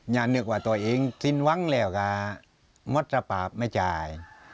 อย่านึกว่าตัวเองสิ้นว้างแล้วก็ไม่สามารถปรับไม่จ่าย